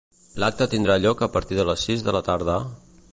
L'acte tindrà lloc a partir de les sis de la tarda….